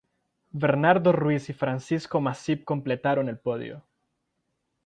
Bernardo Ruiz y Francisco Masip completaron el podio.